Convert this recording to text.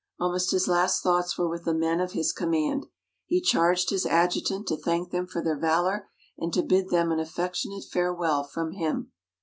Almost his last thoughts were with the men of his command. He charged his adjutant to thank them for their valour, and to bid them an affectionate farewell from him.